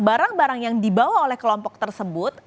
barang barang yang dibawa oleh kelompok tersebut